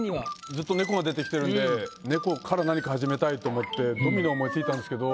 ずっと猫が出てきてるんで猫から何か始めたいと思ってドミノ思い付いたんですけど。